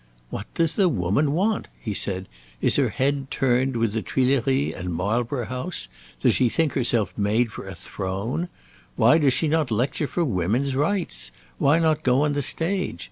"What does the woman want?" he said. "Is her head turned with the Tulieries and Marlborough House? Does she think herself made for a throne? Why does she not lecture for women's rights? Why not go on the stage?